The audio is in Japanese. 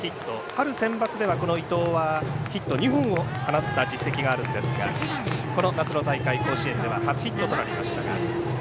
春センバツではこの伊藤はヒット２本を放った実績があるんですがこの夏の大会、甲子園では初ヒットとなりました。